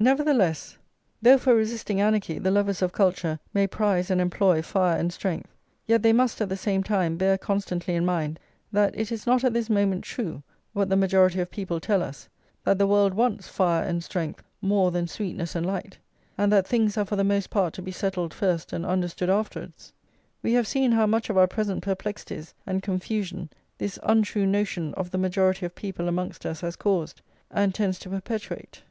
Nevertheless, though for resisting anarchy the lovers of culture may prize and employ fire and strength, yet they must, at the same time, bear constantly in mind that it is not at this moment true, what the majority of people tell us, that the world wants fire and strength more than sweetness and light, and that things are for the most part to be settled first and understood afterwards. We have seen how much of our present perplexities and confusion this untrue notion of the majority of people amongst us has caused, and tends to perpetuate.